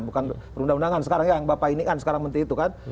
bukan perundang undangan sekarang ya yang bapak ini kan sekarang menteri itu kan